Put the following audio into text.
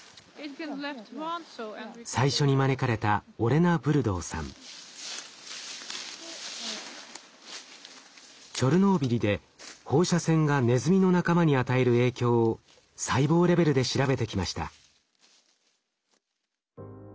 最初に招かれたチョルノービリで放射線がネズミの仲間に与える影響を細胞レベルで調べてきました。